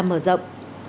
điều tra mở rộng